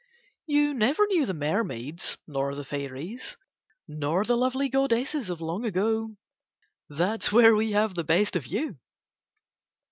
"You never knew the mermaids nor the fairies nor the lovely goddesses of long ago, that's where we have the best of you."